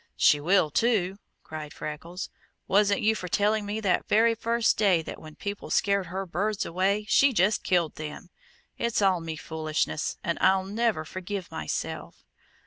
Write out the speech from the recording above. "She will, too!" cried Freckles. "Wasn't you for telling me that very first day that when people scared her birds away she just killed them! It's all me foolishness, and I'll never forgive meself!"